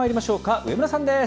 上村さんです。